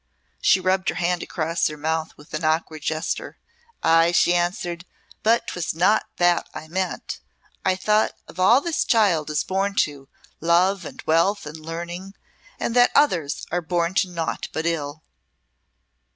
She rubbed her hand across her mouth with an awkward gesture. "Ay," answered she, "but 'twas not that I meant. I thought of all this child is born to love and wealth and learning and that others are born to naught but ill."